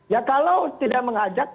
ya kalau tidak mengajak